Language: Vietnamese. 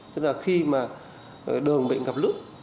tức là khi mà đường bệnh gặp nước